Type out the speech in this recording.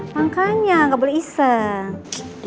makanya gak boleh iseng